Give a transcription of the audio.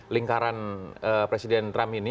lingkaran presiden trump ini